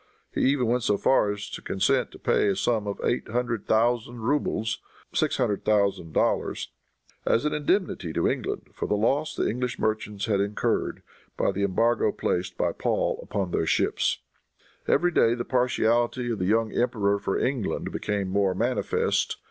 He even went so far as to consent to pay a sum of eight hundred thousand rubles ($600,000), as an indemnity to England for the loss the English merchants had incurred by the embargo placed by Paul upon their ships. Every day the partiality of the young emperor for England became more manifest.